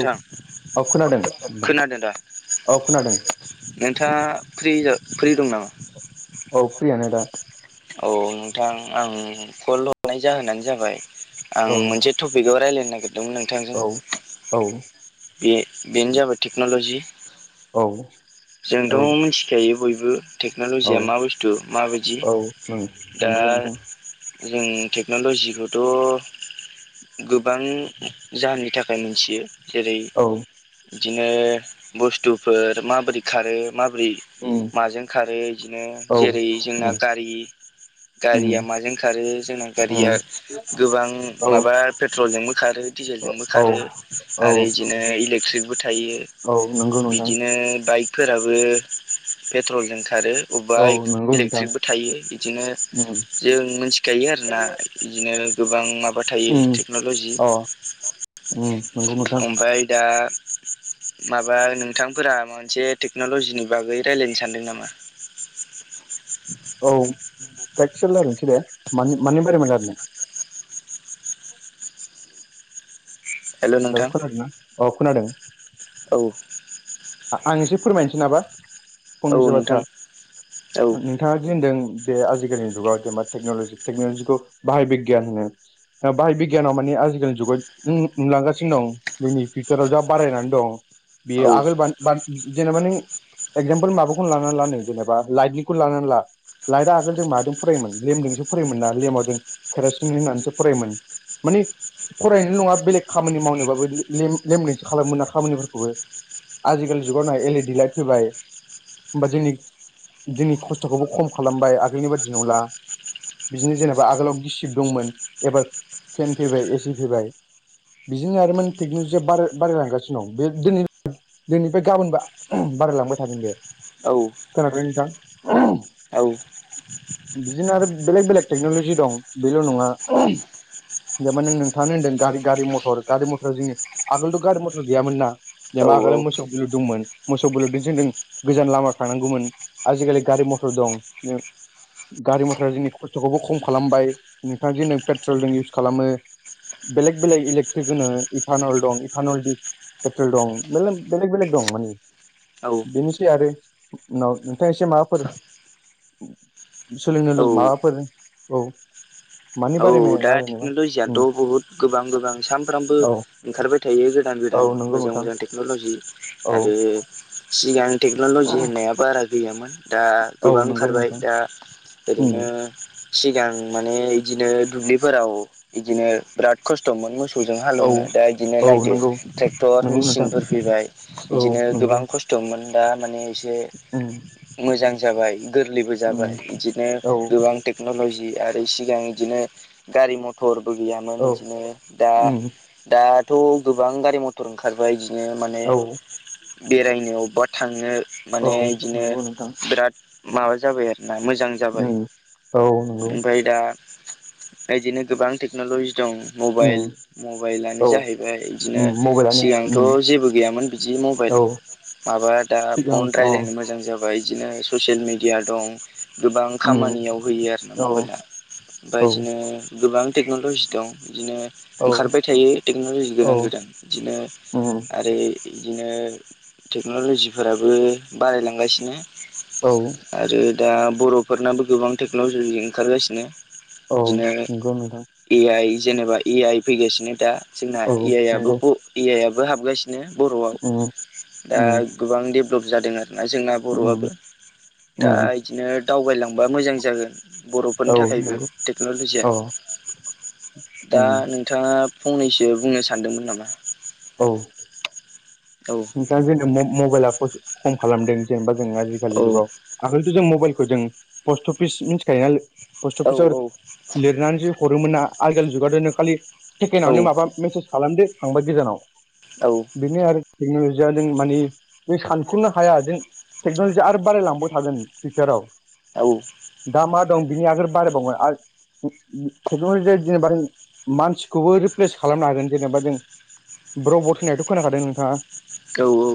औ औ खोनादों नोंथां खोनादों दा औ खोनादों नोंथाङा फ्रि जा फ्रि दं नामा औ फ्रियानो दा औ नोंथां आं कल हरनाय जाहोनानो जाबाय आं औ मोनसे टपिकाव रायलायनो नागिरदोंमोन नोंथां। औ औ बे बेनो जाबाय टेक्न'ल'जि औ जोंथ' औ मिथि खायो बयबो औ टेक्न'ल'जिया मा बुस्थु माबायदि औ ओं दा नंगौ नोंथां जों टेक्न'लजिखौथ' गोबां जाहोननि थाखाय मोनथियो। जेरै औ बिदिनो बुस्थुफोर माबोरै खारो माब्रै उम माजों खारो इदिनो औ जेरै जोंना उम गारि उम गारिया माजों खारो जोंना गारिया उम गोबां औ माबा पेट्र'लजोंबो खारो डिजेलजोंबो औ खारो औ आरो बिदिनो नंगौ इलेक्ट्रिकबो थायो औ नंगौ नोंथां बिदिनो बाइकफोराबो पेट्रलजों खारो बबेबा औ नंगौ नोंथां इलेक्ट्रिकबो थायो बिदिनो उम जों मिथिखायो आरोना। बिदिनो गोबां माबा थायो उम टेक्न'ल'जि। अ उम नंगौ नोंथां ओमफाय दा माबा नोंथांफोरा माबा मोनसे टेक्न'लजिनि बागै रायज्लायनो सानदों नामा? औ एसे रायलायनोसै दे मानि मानि बागै रायलायनो? हेल' खोनादोंना? औ खोनादों। औ आं एसे फोरमायनोसै नाबा औ फंनैसो नोंथां बाथ्रा। औ नोंथाङा दिदि होनदों बे आजिखालिनि जुगाव जेनेबा टेक्न'लजि टेक्न'लजिखौ बाहाय बिगियान होनो। बाहाय बिगियानाव माने आजिखालिनि जुगाव जों नुलांगासिनो दं जोंनि फिउचाराव जा बारायनानै दं औ बेयो आगोल जेनेबा नों एगजामपोल माबाखौनो लानानै ला नै जेनेबा लाइटनिखौ लानानै ला। लाइदा आगोल जों माजों फरायोमोन लेमजोंसो फरायोमोन ना लेमाव जों केरासिन होननानैसो फरायोमोन। मानि फरायनाय नङा बेलेग खामानि मावनोबाबो लेनायसो खालामोना खामानिफोरखौबो। आजिखालि जुगावनो एलइडि लाइट फैबाय। होमबा जोंनि जोंनि खस्थ'खौबो खम खालामबाय आगैनि बादि नंला। बिदिनो जेनेबा आगोलाव गिसिब दंमोन एबार फेन फैबाय एसि फैबाय। बिदिनो आरोमाने टेक्न'लजिया बाराय बारायलांगासिनो दं बे दिनै दिनैनिफ्राय गाबोन बारायलांबाय थागोन बे। औ खोनादोंना नोंथां। औ बिदिनो आरो बेलेग बेलेग टेकन'लजि दं बेल' नङा। जाबा नों नोंथाङानो होनदों गारि मथर गारि मथर जोंनि आगोलथ' गारि मथर गैयामोन ना। जेनेबा औ आगोलाव मोसौ बेलुर दंमोन मोसौ बिलुरजोंसो जों गोजान लामा थांनांगौमोन। आजिखालि गारि मथर दं। गारि मथर जोंनि खस्थ'खौबो खम खालामबाय नोंथाङा जे नों पेट्रलजों इउस खालामो। बेलेग बेलेग इलेकट्रिक होनो इटानल दं इटानल दि पेट्रल दं मेनला बेलेग बेलेग दं मानि। औ बेनोसै आरो उनाव नोंथां एसे माबाफोर सोलोंनो औ माबाफोर औ मानि औ बारै मे दा रायलायनोबा टेक्न'ल'जियाथ' उम बहुत गोबां गोबां साम सामफ्रामबो औ ओंखारबाय थायो गोदान औ गोदान नंगौ मोजां नोंथां मोजां टेक्न'लजि औ आरो सिगां टेक्न'लजि होननाया बारा गैयामोन। दा औ गोबां नंगौ ओंखारबाय नोंथां दा उम ओरैनो सिगां माने बिदिनो दुब्लिफोराव बिदिनो बिराद खस्थ'मोन मोसौजों औ हालेवनो दा इदिनो औ नायदो नंगौ ट्रेक्टर नंगौ नोंथां मेसिनफोर फैबाय। औ बिदिनो नंगौ गोबां खस्थ'मोन, दा माने एसे उम मोजां जाबाय गोरलैबो जाबाय उम बिदिनो औ गोबां टेक्न'ल'जि आरो सिगां इदिनो गारि मथरबो गैयामोन औ बिदिनो, दा उम दाथ' गोबां गारि म टर ओंखारबाय बिदिनो माने औ बेरायनो, अबेबा थांनो माने औ इदिनो नंगौ नोंथां बिराद माबा जाबाय आरोना मोजां जाबाय। उम औ नंगौ ओमफ्राय दा बिदिनो गोबां टेक्न'लजि दं मबाइल उम मबाइलानो औ जाहैबाय बिदिनो उम मबाइलानो सिगांथ' उम जेबो गैयामोन बिदि मबाइल। औ माबा दा सिगां फन अ रायलायनो मोजां जाबाय। माबा बिदिनो ससियेल मिडिया दं गोबां उम खामानियाव होयो आर ना औ मबाइला। ओमफ्राय औ बिदिनो गोबां टेक्न'लजि दं बिदिनो औ ओंखारबाय थायो टेक्न'लजि औ गोदान गोदान। बिदिनो उम आरो इदिनो टेक्न'लजिफोराबो बारायलांगासिनो औ आरो दा बर'फोरनाबो गोबां टेक्न'लजिजों ओंखारगासिनो। औ बिदिनो नंगौ नोंथां ए आइ जेनेबा ए आइ फैगासिनो दा। जोंना औ ए आइ आबो नंगौ ए आइ आबो हाबगासिनो बर'आव। उम दा उम गोबां डेभलप जादों आरोना जोंना बर'आबो। उम दा उम इदिनो दावबायलांबा मोजां जागोन बर'फोरनि औ थाखायबो नंगौ टेक्न'ल'जिया। अ दा उम नोंथाङा फंनैसो बुंनो सानदोंमोन नामा? औ औ दा जेरै म-मबाइला खस खम खालामदों जेनेबा जों आजिखालि औ जुगाव। आगोलथ' जों मबाइलखौ जों पस्ट अफिस मिथिखायोना पस्ट औ अफिसाव लिरनानैसो हरोमोन ना आजिखालि जुगाथ' नों खालि औ सेकेण्डआवनो माबा मेसेज खालामदो थांबाय गोजानाव। औ बेनो आरो टेक्न'लजिया जों माने बे सानख'नोनो हाया जों टेक्न'लजिआ आरो बारायलांबाय थागोन फिउचाराव। औ। दा मा दं बिनि आगोल बारायबावोन आ टेक्न'लजिया जेनेबा मानसिखौबो रिप्लेस खालामनो हागोन जेनेबा जों रबट होननायथ' खोनाखादों नोंथाङा? औ औ।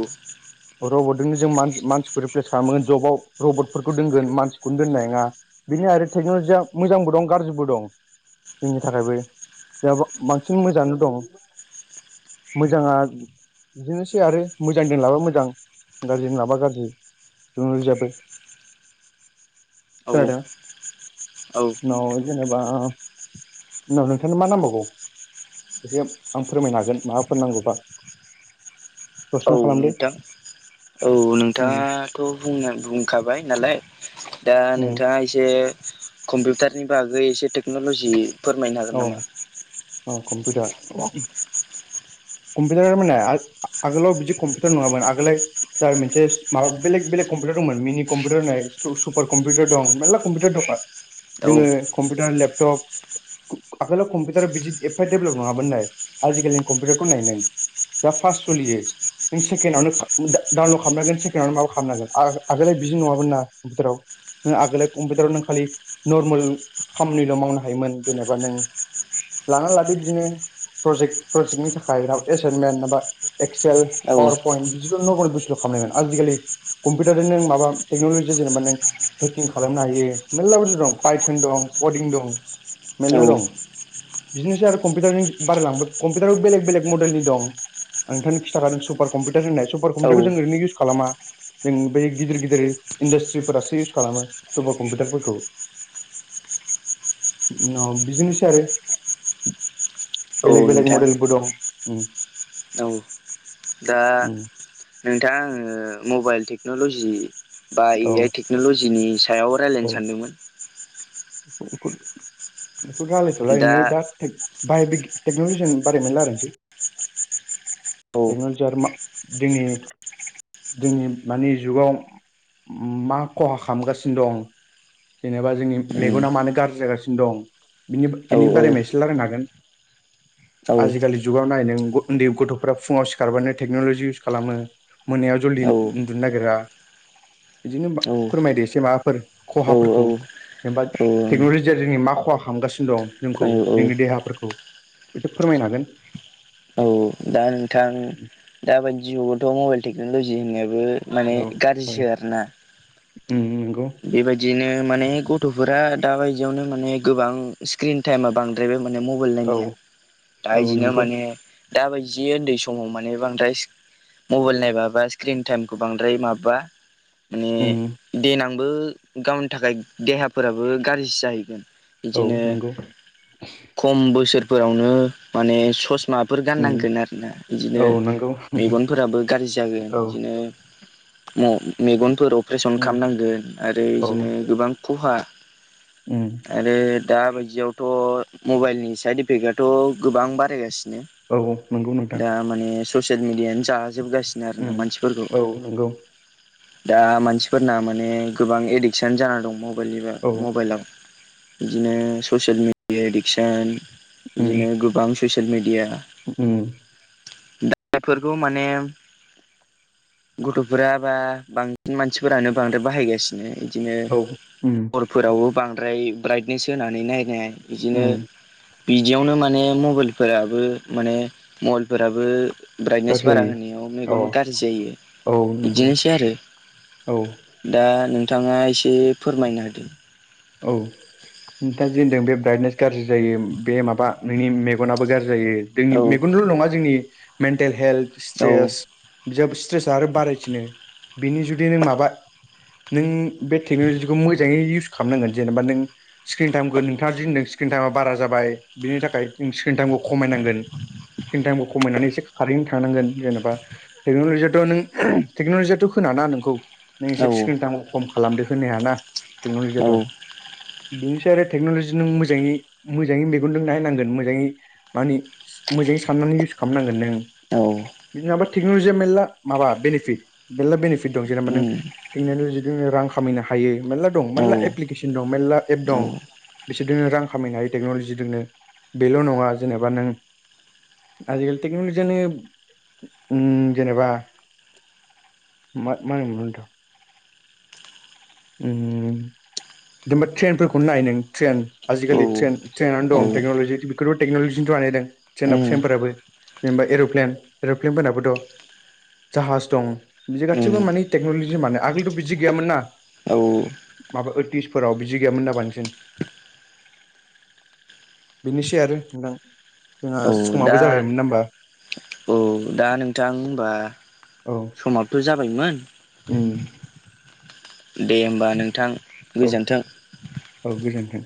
रबटजोंनो जों मान-मानसिखौ रिप्लेस खालामगोन जबाव रबटफोरखौ दोनगोन मानसिखौनो दोननाय नङा। बेदिनो आरो टेक्न'लजिया मोजांबो दं, गारजिबो दं जोंनि थाखायबो, दा बा बांसिन मोजाङानो दङ। मोजाङा बिदिनोसै आरो मोजांजों लाबा मोजां गाज्रिजों लाबा गाज्रि टेक्नोलजीआबो। औ खोनादों? औ उनाव जेनेबा उनाव नोंथांनो मा नांबावगौ एसे आं फोरमायनो हागोन। माबाफोर नांगौबा! औ प्रसन' खालामदो नोंथां, औ उम नोंथाङाथ' बुंना बुंखाबाय नालाय दा उम नोंथाङा एसे कम्पिउटारनि बागै एसे टेक्न'लजि फोरमायनो हागोन औ नामा औ कम्पिउटार। कम्पिउटार माने आ-आगोलाव बिदि कम्पिउटार नङामोन, आगोलो जाबाय मोनसे माबा बेलेग बेलेग कम्पिउटार दंमोन मिनि कम्पिउटार होननाय सुपार कम्पिउटार दं मेरला कम्पिउटार दं। औ जोङो कम्पिउटार लेपटप आगोलाव कम्पिउटारा बिदि एफा देभलप नङामोननो, आजिखालिनि कम्पिउटारखौ नाय नों दा फार्स्ट सलियो। नों सेकेणडआवनो खा दा डाउनलड खालामनो हागोन सेकेण्डआवनो माबा खालामनोन आ आगोलहाय बिदि नङामोन ना कम्पिउटाराव। नों आगोलाय कम्पिउटाराव नों खालि नर्मेल खामानिल' मावनो हायोमोन जेनेबा नों लानानै लादो बिदिनो प्रजेक्ट प्रजेक्टनि थाखाय एसाइनमेन्ट माबा एक्सेल, औ पावार पइन्ट बिदि नगनि बुस्तु खालामनायमोन, आजिखालि कम्पिउटारजों नों माबा टेक्नल'जि जों माने हेकिं खालामनो हायो मेरला बुस्तु‌ दं पाइथन दं कदिं दं। औ मेरला दं बिदिनोसै आरो कम्पिउटारनि बारायलांबाय कम्पिउटारबो बेलेग बेलेग मडेलनि दं। आं नोंथांनो खिथाखादों सुपार कम्पिउटार होननाय सुपार औ कम्पिउटारखौ जों ओरैनो इउस खालामा जों बे गिदिर गिदिर इन्डासट्रिफोरासो इउस खालामो सुपार कम्पिउटारफोरखौ। उम बिदिनोसै आरो, औ बेलेग बेलेग नोंथां मडेलबो दं उम। औ। दा उम नोंथां आङो मबाइल टेक्नल'जि बा ए औ आइ टेक ल'जिनि सायाव रायज्लायनो सानदोंमोन [unintelligible] रायलायथ'लाय नो दा बायबिग टेक्न'लजिनि बागै लारायनोसै उम टेकनलजि आरो मा दिनै जोंनि मानि जुगाव मा खहा खालामगासिनो दं जेनेबा जोंनि मेगना मानो गाज्रि जागासिनो दं बेनि बा औ बेनि बारै म एसे रायलायनो हागोन। [inaudible] आजिखालि जुगाव नाय नों उन्दै गथ'फोरा फुंआव सिखारबानो टेक्न'लजि इउस खालामो। मोनायाव जलदि औ उन्दुनो नागिरा बिदिनो औ फोरमायदो एसे माबाफोर खहाफोरखौ जेनेबा औ टेक्न'लजिया जोंनि मा खहा खमगासिनो दं जोंखौ औ औ जोंनि देहाफोरखौ एसे फोरमायनो हागोन? औ दा नोंथां दााबायदि जुगावथ' मबाइल टेक्न'लजि होननायाबो माने औ औ गाज्रिसो आरोना उम नंगौ बेबायदिनो माने गथ'फोरा दा बायदियावनो माने गोबां स्क्रिन टाइमा बांद्रायबाय माने मबाइ मबेल औ नायनाया दा औ बिदिनो नंगौ माने दाबायदि उन्दै समाव माने बांद्राय मबाइल नायबाबा स्क्रिन टाइमखौ बांद्राय माबा माने उम देनांबो गावनि थाखाय देहाफोराबो गाज्रिसो जाहैगोन औ बिदिनो नंगौ खम बोसोरफोरावनो माने ससमाफोर उम गाननांगौ आरोना बिदिनो औ नंगौ मेगनफोराबो गाज्रि जागोन औ बिदिनो ओम मेगनफोर अपारेसन उम खालामनांगोन आरो बिदिनो गोबां खहा ओं आरो दा बायदियावथ' मबाइलनि साइड इफेक्टआथ' गोबां बारायगासिनो औ औ नंगौ नोंथां। दा माने ससियेल मिडियानो जाजोबगासिनो आरोना उम मानसिफोरखौ औ नंगौ दा मानसिफोरना माने गोबां एडिकसन जाना दं म बाइल एबा औ मबाइलाव बिदिनो ससियेल मिेडिया एडिक्सन उम बिदिनो गोबां ससियेल मिडिया उम दा बेफोरखौ माने गथ'फोरा बा बांसिन मानसिफोरानो बांद्राय बाहायगासिनो बिदिनो औ उम हरफोरावबो बांद्राय ब्राइटनेस होनानै नायनाय बिदिनो उम बिदियावनो माने मबाइलफोराबो माने मबाइलफोराबो ब्राइटनेस गाज्रि बारा होनायाव जायो औ मेगननो गाज्रि जायो औ नंगौ बिदिनोसै आरो औ दा नोंथांआ एसे फोरमायना हादों। औ नोंथांआ जे होनदों बे ब्राइटनेस गाज्रि जायो बे माबा नोंनि मे मेगनाबो गाज्रि जायो जोंनि मेगनल' नंङा जोंनि मेन्टेल हेल्थ औ स्ट्रेस बिजाब स्ट्रेसा आरो बारायसिनो बिनि जुदि नों माबा नों बे टेक्न'ल'जिखौ मोजाङै इउस खालामनांगोन जेनेबा नों स्क्रिन टाइमखौ नोंथांआ दि होनदों स्क्रिन टाइमा बारा जाबाय बिनि थाखाय जों स्क्रिन टाइमखौ खमायनांगोन। स्क्रिन टाइमखौ खमायनानै एसे खारैनो थांनांगोन जेनेबा टेक्न'लजियाथ' नों टेक्न'लजियाथ' होनाना नोंखौ। नों औ एसे स्क्रिन टाइम खम खालामदो होनो हायाना औ टेक्न'लजियाथ' बेनि सायाव आरो टेक्न'लजि नों मोजाङै मोजाङै मेगनजों नों नायनांगोन मोजाङै मानि मोजांङै साननानै इउस खालामनांगोन नों औ। माबा टेक्न'लजिया मेर्ला माबा बेनिफिट मेरला बेनिफिट दं जेनेबा नों दा टेक्न'लजि जोंनो रां खामायनो हायो मेर्ला दं औ मेर्ला एप्लिकेसन दं मेर्ला एप दं। बिसोरजोंनो रां खामायनो टेक्न'लजिजोंनो बेल' नंङा जेनेबा नों आजिखालि टेक्न'लजियानो ओम जेनेबा मा मा मोनोमोन [unintelligible] उम [inaudible] जेनबा ट्रेनफोरखौ नाय नों ट्रेन आजिलि ट्रेन ट्रेनानो दं टेक्नलजि बेखौथ' टेक्नलजिजों बानायदों जोंना ट्रेनफोराबो जेनेबा एर'प्लेन एर'प्लेनफोराबोथ' जाहाज दं बिदि गासिबो माने टेक्न'लजि मानो आगोलथ' बिदि गैयामोन ना माबा ओटिसफोराव बिदि गैयामोन ना बांसिन बेनोसै आरो नोंथां जोंहा समाबो जाबायमोन ना होमबा औ दा नोंथां होनबा औ समाबोथ' जाबायमोन उम दे होमबा नोंथां। औ गोजोन्थों औ गोजोन्थों‌